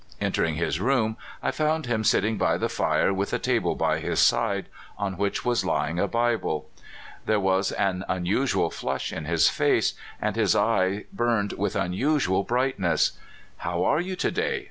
Enter ing his room, I found him sitting by the fire with a table by his side, on which was lying a Bible. There was an unusual flush in his face, and his eye burned with unusual brightness. " How are you to day?